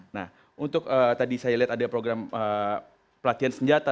nah untuk tadi saya lihat ada program pelatihan senjata